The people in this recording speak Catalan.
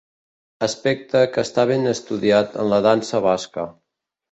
Aspecte que està ben estudiat en la dansa basca.